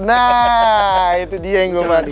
nah itu dia yang gue manis